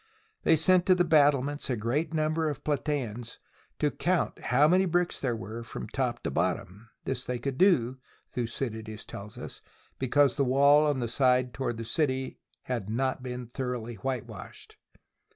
They sent to the battlements a great num ber of Platseans to count how many bricks there were from top to bottom. This they could do, Thucydides tells us, because the wall on the side toward the city " had not been thoroughly white washed."